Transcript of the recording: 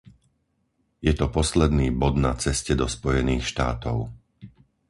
Je to posledný bod na ceste do Spojených štátov.